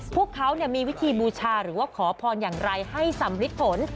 พวกเขามีวิธีบูชาหรือว่าขอพรอย่างไรให้สำลิดผล